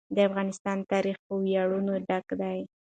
د افغانستان تاریخ په ویاړونو ډک دی.